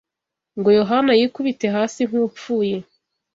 ngo Yohana yikubite hasi nk’upfuye